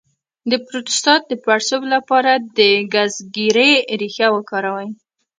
د پروستات د پړسوب لپاره د ګزګیرې ریښه وکاروئ